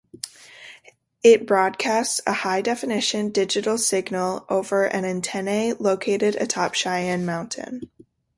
It broadcasts a high definition digital signal over an antenna located atop Cheyenne Mountain.